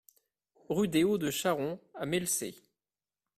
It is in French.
Rue des Hauts de Charon à Mellecey